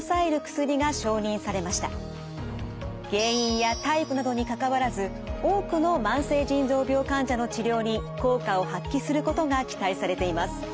原因やタイプなどにかかわらず多くの慢性腎臓病患者の治療に効果を発揮することが期待されています。